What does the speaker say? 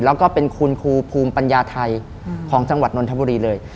แล้วก็เป็นคุณครูภูมิปัญญาไทยของจังหวัดนนทบุรีเลย